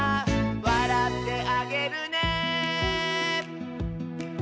「わらってあげるね」